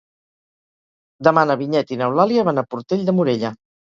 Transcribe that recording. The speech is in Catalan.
Demà na Vinyet i n'Eulàlia van a Portell de Morella.